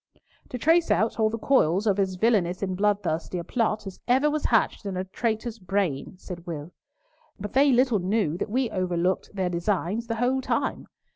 "To trace out all the coils of as villainous and bloodthirsty a plot as ever was hatched in a traitor's brain," said Will; "but they little knew that we overlooked their designs the whole time.